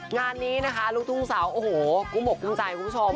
งานนี้นะคะลูกทุ่งสาวโอ้โหกุ้งอกกุ้งใจคุณผู้ชม